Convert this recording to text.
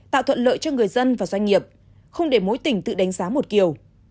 tạo thuận lợi cho người dân và doanh nghiệp không để mỗi tỉnh tự đánh giá một kiểu